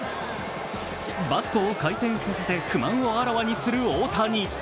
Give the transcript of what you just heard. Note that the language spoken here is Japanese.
バットを回転させて不満をあらわにする大谷。